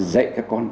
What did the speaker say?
dạy các con